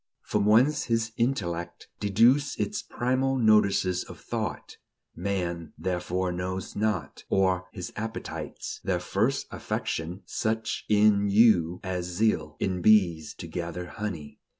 "... From whence his intellect Deduced its primal notices of thought, Man therefore knows not; or his appetites Their first affection; such In you as zeal In bees to gather honey."